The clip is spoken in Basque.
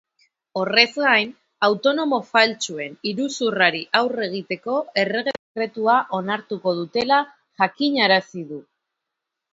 Horrez gain, autonomo faltsuen iruzurrari aurre egiteko errege-dekretua onartuko dutela jakinarazi du.